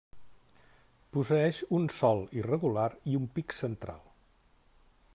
Posseeix un sòl irregular i un pic central.